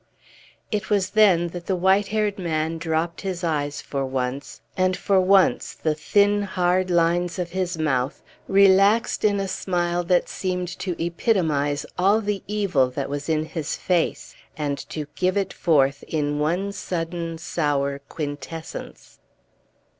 It was then that the white headed man dropped his eyes for once; and for once the thin, hard lines of his mouth relaxed in a smile that seemed to epitomize all the evil that was in his face, and to give it forth in one sudden sour quintessence.